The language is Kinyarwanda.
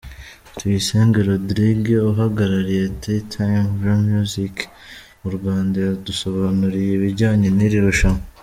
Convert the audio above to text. Tuyisenge Rodrigue uhagarariye T-Time Pro Music mu Rwanda yadusobanuriye ibijyanye n'iri rushanwa.